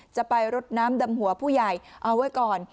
จะไปรดน้ำดำหัวผู้ใหญ่เอาไว้ก่อน